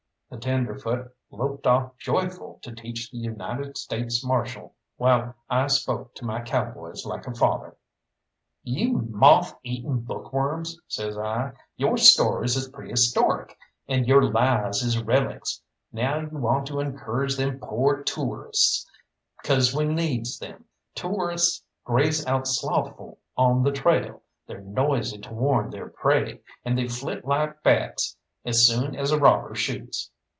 That tenderfoot loped off joyful to teach the United States Marshal, while I spoke to my cowboys like a father. "You moth eaten bookworms," says I, "your stories is prehistoric, and your lies is relics. Now you want to encourage them pore toorists, 'cause we needs them. Toorists graze out slothful on the trail, they're noisy to warn their prey, and they flit like bats as soon as a robber shoots.